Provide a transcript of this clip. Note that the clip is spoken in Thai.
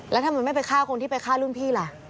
แล้วทำไมไม่ไปฆ่าคนที่ไปฆ่ารุ่นพี่ล่ะ